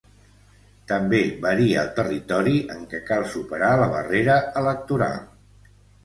També varia el territori en què cal superar la barrera electoral.